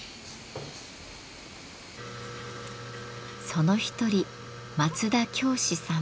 その一人松田共司さん。